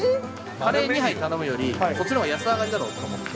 カレー２杯頼むより、こっちのほうが安上がりだろうと思って。